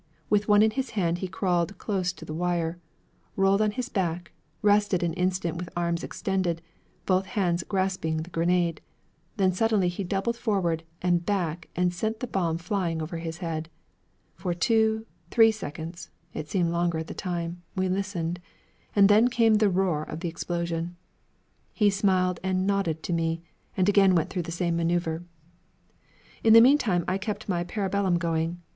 With one in his hand, he crawled close to the wire, rolled on his back, rested an instant with arms extended, both hands grasping the grenade, then suddenly he doubled forward and back and sent the bomb flying over his head. For two, three seconds it seemed longer at the time we listened, and then came the roar of the explosion. He smiled and nodded to me, and again went through the same manœuvre. In the meantime I kept my parabellum going.